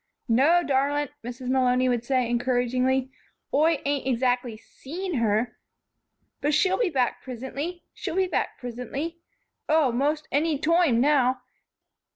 "No, darlint," Mrs. Malony would say, encouragingly. "Oi ain't exactly seen her, but she'll be back prisintly, she'll be back prisintly Oh, most anny toime, now.